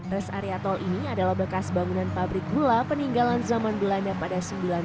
res area tol ini adalah bekas bangunan pabrik gula peninggalan zaman belanda pada seribu sembilan ratus sembilan puluh